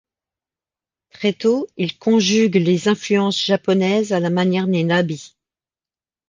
Très tôt, il conjugue les influences japonaises à la manière des Nabis.